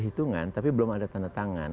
hitungan tapi belum ada tanda tangan